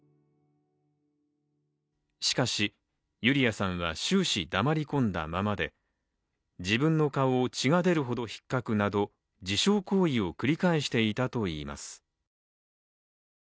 しかし、ユリアさんは終始黙り込んだままで、自分の顔を血が出るほどひっかくなど自傷行為を繰り返していたといいます。